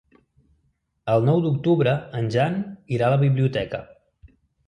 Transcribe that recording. El nou d'octubre en Jan irà a la biblioteca.